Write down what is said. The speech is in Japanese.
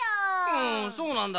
うんそうなんだ。